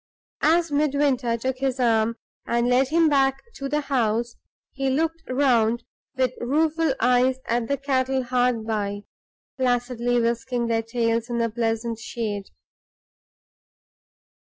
As Midwinter took his arm, and led him back to the house, he looked round with rueful eyes at the cattle hard by, placidly whisking their tails in the pleasant shade.